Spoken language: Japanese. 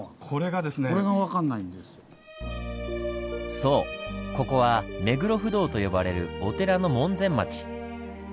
そうここは「目黒不動」と呼ばれるお寺の門前町。